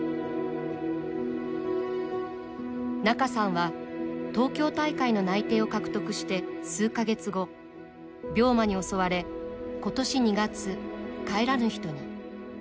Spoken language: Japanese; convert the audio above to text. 仲さんは東京大会の内定を獲得して数か月後、病魔に襲われことし２月、帰らぬ人に。